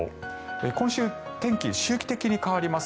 今週、天気周期的に変わります。